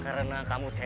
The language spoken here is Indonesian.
karena kamu cemen